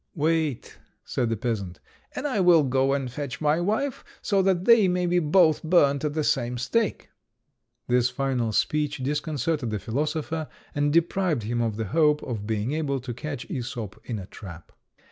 "Wait," said the peasant, "and I will go and fetch my wife, so that they may be both burned at the same stake." This final speech disconcerted the philosopher, and deprived him of the hope of being able to catch Æsop in a trap.